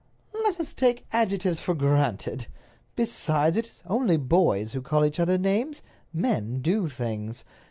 "Let us take the adjectives for granted. Besides, it is only boys who call each other names—men do things.